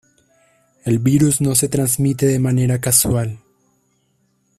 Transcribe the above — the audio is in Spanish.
El virus no se transmite de manera casual.